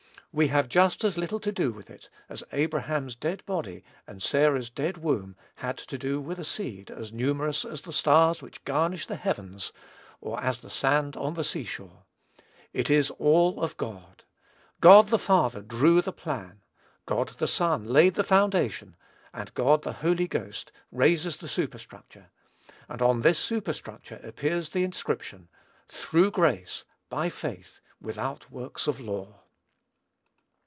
We have just as little to do with it as Abraham's dead body and Sarah's dead womb had to do with a seed as numerous as the stars which garnish the heavens, or as the sand on the sea shore. It is all of God. God the Father drew the plan, God the Son laid the foundation, and God the Holy Ghost raises the superstructure; and on this superstructure appears the inscription, "THROUGH GRACE, BY FAITH, WITHOUT WORKS OF LAW."